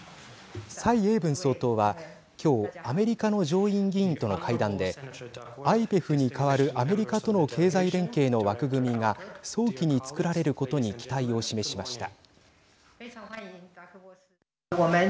蔡英文総統はきょうアメリカの上院議員との会談でＩＰＥＦに代わるアメリカとの経済連携の枠組みが早期につくられることに期待を示しました。